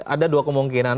ada dua kemungkinan